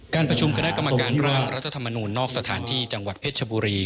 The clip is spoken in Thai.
ประชุมคณะกรรมการร่างรัฐธรรมนูลนอกสถานที่จังหวัดเพชรชบุรี